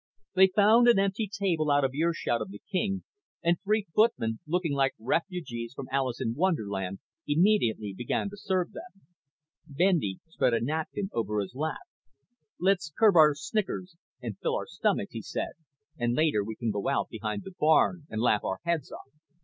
They found an empty table out of earshot of the king, and three footmen looking like refugees from Alice in Wonderland immediately began to serve them. Bendy spread a napkin over his lap. "Let's curb our snickers and fill our stomachs," he said, "and later we can go out behind the barn and laugh our heads off.